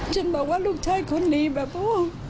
ฉันบอกว่าลูกชายคนนี้แบบโอ้